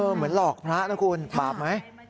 เหมือนหลอกพระนะคุณบาปไหม